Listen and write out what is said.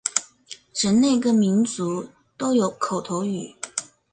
人类各民族都有口头语。